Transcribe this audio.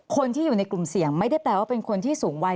คนที่อยู่ในกลุ่มเสี่ยงไม่ได้แปลว่าเป็นคนที่สูงวัย